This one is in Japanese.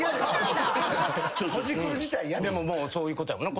でもそういうことやもんな。